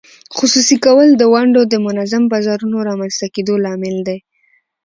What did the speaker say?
خصوصي کول د ونډو د منظم بازارونو رامینځته کېدو لامل دی.